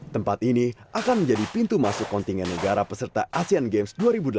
tempat ini akan menjadi pintu masuk kontingen negara peserta asean games dua ribu delapan belas